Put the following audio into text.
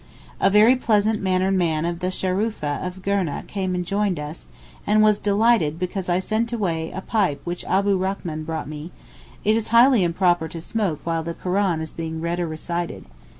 A very pleasant mannered man of the Shourafa of Gurneh came and joined us, and was delighted because I sent away a pipe which Abdurachman brought me (it is highly improper to smoke while the Koran is being read or recited).